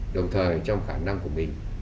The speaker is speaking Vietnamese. đồng thời trong khả năng của mình